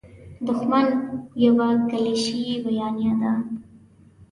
دوښمن یوه کلیشیي بیانیه ده.